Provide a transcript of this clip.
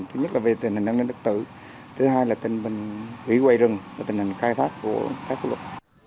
thứ nhất là về tình hình an ninh trật tự thứ hai là tình hình quay rừng tình hình khai phát của các phương lực